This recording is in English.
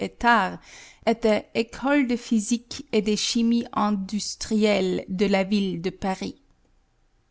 Etard, at the Ecole de Physique et de Chimie Industrielles de la Ville de Paris.